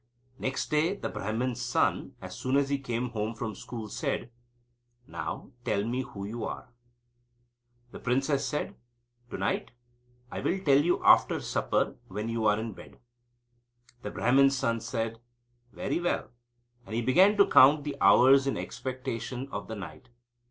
Next day the Brahman's son, as soon as he came home from school, said: "Now, tell me who you are." The princess said: "To night I will tell you after supper, when you are in bed." The Brahman's son said: "Very well "; and he began to count the hours in expectation of the night.